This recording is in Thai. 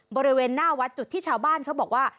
บริเวณหน้าวัดจุดที่ชาวบ้านเขาบอกว่า